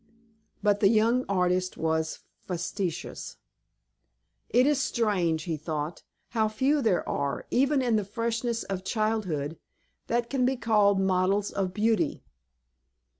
But the young artist was fastidious. "It is strange," he thought, "how few there are, even in the freshness of childhood, that can be called models of beauty.